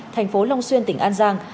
thành phố long xuyên tỉnh an giang